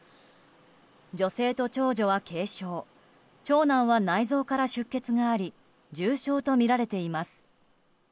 女性と長女は軽傷長男は内臓から出血があり重傷とみられています。